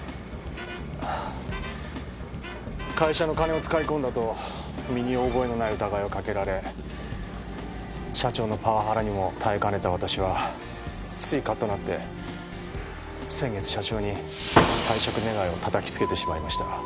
会社の金を使い込んだと身に覚えのない疑いをかけられ社長のパワハラにも耐えかねた私はついカッとなって先月社長に退職願をたたきつけてしまいました。